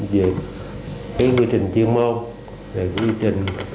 về quy trình tiêm mũi